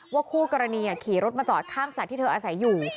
คู่กรณีขี่รถมาจอดข้างสัตว์ที่เธออาศัยอยู่